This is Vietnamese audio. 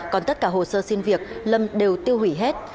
còn tất cả hồ sơ xin việc lâm đều tiêu hủy hết